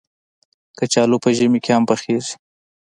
کچالو په ژمي کې هم پخېږي